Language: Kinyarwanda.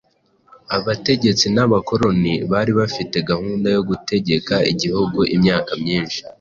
Abategetsi b'abakoloni, bari bafite gahunda yo gutegeka igihugu imyaka myinshi.